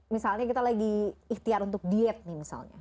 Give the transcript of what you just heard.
misalnya kita lagi ikhtiar untuk diet nih misalnya